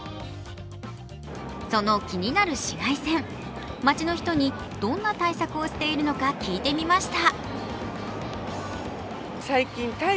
その気になる紫外線、街の人にどんな対策をしているのか聞いてみました。